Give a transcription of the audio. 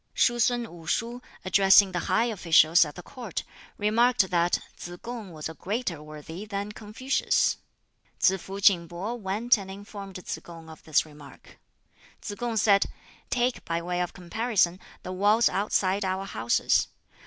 Shuh sun Wu shuh, addressing the high officials at the Court, remarked that Tsz kung was a greater worthy than Confucius. Tsz fuh King pih went and informed Tsz kung of this remark. Tsz kung said, "Take by way of comparison the walls outside our houses.